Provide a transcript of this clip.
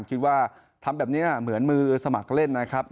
คิดว่าทำแบบนี้เหมือนมือสมัครเล่นนะครับ